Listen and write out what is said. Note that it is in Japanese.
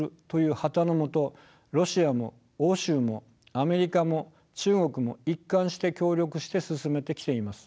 ロシアも欧州もアメリカも中国も一貫して協力して進めてきています。